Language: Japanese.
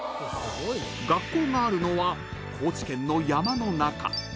［学校があるのは高知県の山の中］